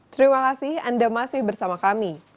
terima kasih anda masih bersama kami